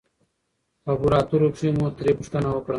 خبرو اترو کښې مو ترې پوښتنه وکړه